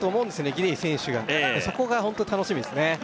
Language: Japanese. ギデイ選手がそこがホント楽しみですね